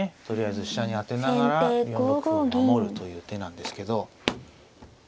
とりあえず飛車に当てながら４六歩を守るという手なんですけど。